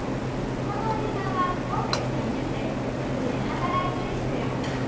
このおじさんはゴンベエさんいうてウチで働いてる人や。